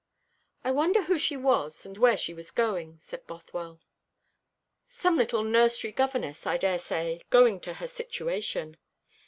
"I wonder who she was, and where she was going?" said Bothwell. "Some little nursery governess, I daresay, going to her situation."